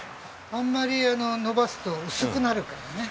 あんまりのばすと薄くなるからね。